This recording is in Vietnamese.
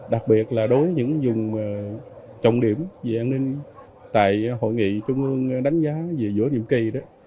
đặc biệt là đối với những dùng trọng điểm về an ninh tại hội nghị trung ương đánh giá về giữa nhiệm kỳ đó